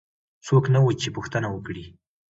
څوک نه وو چې پوښتنه وکړي.